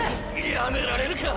やめられるか！